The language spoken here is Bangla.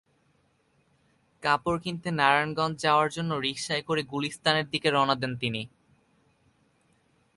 কাপড় কিনতে নারায়ণগঞ্জ যাওয়ার জন্য রিকশায় করে গুলিস্তানের দিকে রওনা দেন তিনি।